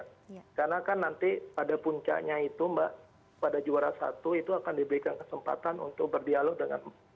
karena kan nanti pada puncaknya itu mbak pada juara satu itu akan diberikan kesempatan untuk berdialog dengan mbak